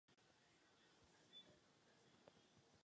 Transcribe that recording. Byl jím inspirován český pořad televize Prima Nikdo není dokonalý.